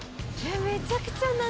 「めちゃくちゃ謎」